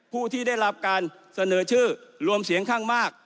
ผู้ที่ได้รับการเสนอชื่อรวมเสียงข้างมาก